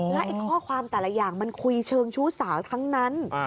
และข้อความแต่ละอย่างมันคุยเชิงชู้สาวทั้งนั้น